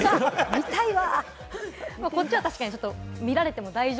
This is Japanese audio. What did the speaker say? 見たいわ。